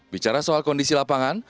bicara soal kondisi lapangan